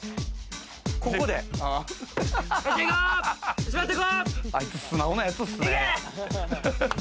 ここで、あいつ、素直なやつっすね。